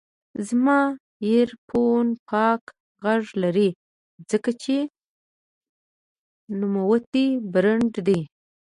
زما ایرفون پاک غږ لري، ځکه چې نوموتی برانډ دی.